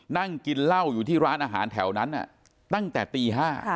นั่งกินเหล้าอยู่ที่ร้านอาหารแถวนั้นตั้งแต่ตี๕